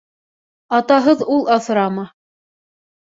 Атаһыҙ ул аҫырама